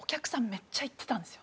めっちゃいってたんですよ。